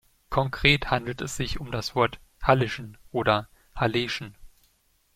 Konkret handelt es sich um das Wort "Hallischen" oder "Halleschen".